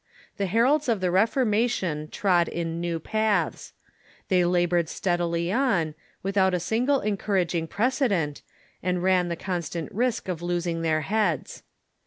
The heralds of the Reformation trod in new paths. They labored steadily on, Avithout a single encouraging pi'ecedent, ajid ran the con stant risk of losing their heads.